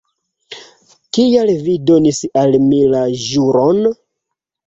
Kial vi donis al mi la ĵuron?